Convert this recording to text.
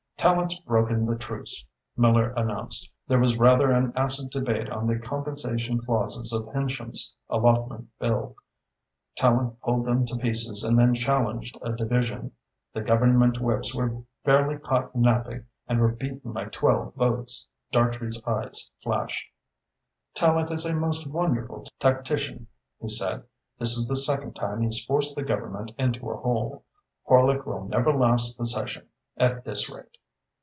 "Tallente's broken the truce," Miller announced. "There was rather an acid debate on the Compensation Clauses of Hensham's Allotment Bill. Tallente pulled them to pieces and then challenged a division. The Government Whips were fairly caught napping and were beaten by twelve votes." Dartrey's eyes flashed. "Tallente is a most wonderful tactician," he said. "This is the second time he's forced the Government into a hole. Horlock will never last the session, at this rate."